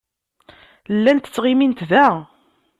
Llant ttɣimint da.